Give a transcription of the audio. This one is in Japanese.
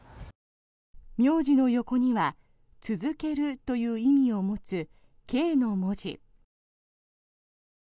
名字の横には続けるという意味を持つ「継」の文字。